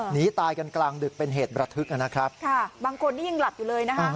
หนีตายกันกลางดึกเป็นเหตุระทึกนะครับค่ะบางคนนี่ยังหลับอยู่เลยนะคะ